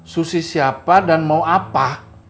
susi siapa dan mau apa